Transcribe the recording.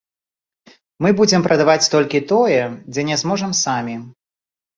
Мы будзем прадаваць толькі тое, дзе не зможам самі.